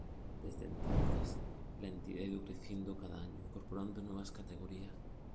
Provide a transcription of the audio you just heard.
Desde entonces, la entidad ha ido creciendo cada año incorporando nuevas categorías.